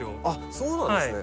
あっそうなんですね。